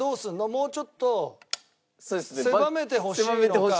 もうちょっと狭めてほしいのか。